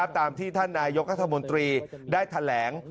ตามที่ท่านนายกรัฐมนตรีได้แถลง